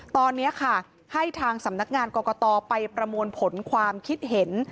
ตอนนี้ค่ะให้ทางสำนักงานกรกตไปประมวลผลความคิดเห็น